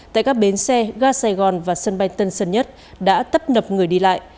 tại các bến xe ga sài gòn và sân bay tân sơn nhất đã tấp nập người đi lại